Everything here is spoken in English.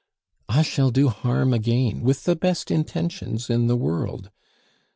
"I shall do harm again with the best intentions in the world.